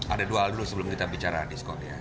ada dua hal dulu sebelum kita bicara diskon ya